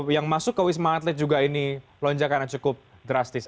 yang masuk ke wisma atlet juga ini lonjakannya cukup drastis